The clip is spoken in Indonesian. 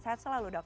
sehat selalu dok